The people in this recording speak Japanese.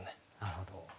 なるほど。